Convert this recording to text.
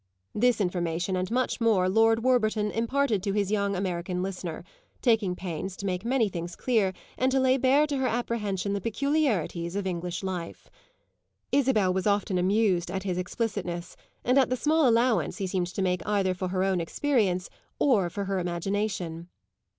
This information and much more Lord Warburton imparted to his young American listener, taking pains to make many things clear and to lay bare to her apprehension the peculiarities of English life. Isabel was often amused at his explicitness and at the small allowance he seemed to make either for her own experience or for her imagination.